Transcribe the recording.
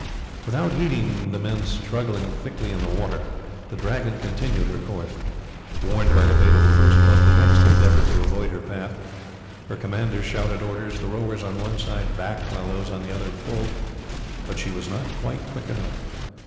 Without heeding the men struggling thickly in the water, the Dragon continued her course. Warned by the fate of the first boat, the next endeavoured to avoid her path. Her commander shouted orders. The rowers on one side backed while those on the other pulled, but she was not quite quick enough.